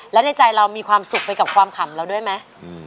แล้วในใจเรามีความสุขไปกับความขำเราด้วยไหม